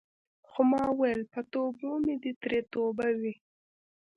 خو ما ویل په توبو مې دې ترې توبه وي.